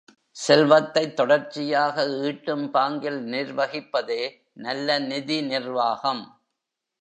செல்வத்தைத் தொடர்ச்சியாக ஈட்டும் பாங்கில் நிர்வகிப்பதே நல்ல நிதி நிர்வாகம்.